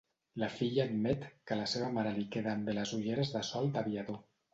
La filla admet que a la seva mare li queden bé les ulleres de sol d'aviador.